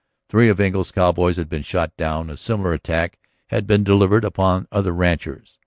Three of Engle's cowboys had been shot down; a similar attack had been delivered upon other ranches.